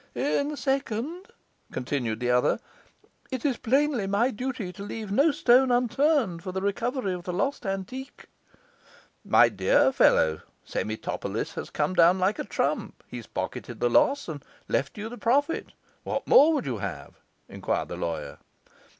'In the second,' continued the other, 'it is plainly my duty to leave no stone unturned for the recovery of the lost antique.' 'My dear fellow, Semitopolis has come down like a trump; he has pocketed the loss and left you the profit. What more would you have?' enquired the lawyer.